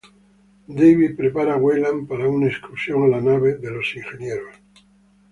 David prepara a Weyland para una excursión a la nave de los Ingenieros.